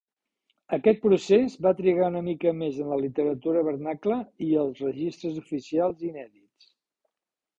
Aquest procés va trigar una mica més en la literatura vernacla i els registres oficials inèdits.